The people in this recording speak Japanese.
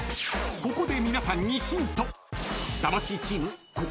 ［ここで皆さんにヒント］